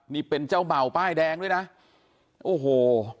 นี่เป็นเจ้าเบ่าป้ายแดงด้วยนะโอ้โห